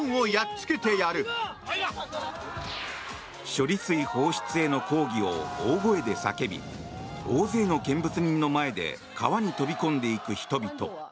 処理水放出への抗議を大声で叫び大勢の見物人の前で川に飛び込んでいく人々。